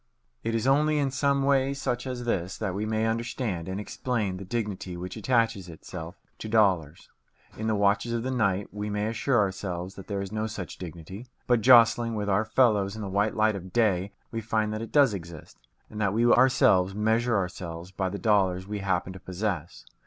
It is only in some way such as this that we may understand and explain the dignity which attaches itself to dollars. In the watches of the night, we may assure ourselves that there is no such dignity; but jostling with our fellows in the white light of day, we find that it does exist, and that we ourselves measure ourselves by the dollars we happen to possess.